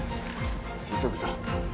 急ぐぞ」